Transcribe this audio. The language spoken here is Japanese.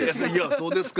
そうですか。